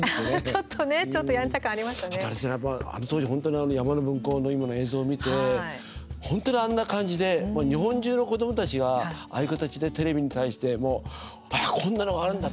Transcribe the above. あとあれだな、あの当時本当に山の分校の今の映像を見て本当にあんな感じで日本中の子どもたちが、ああいう形でテレビに対してもうあ、こんなのがあるんだって